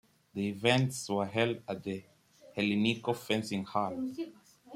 The events were held at the Helliniko Fencing Hall.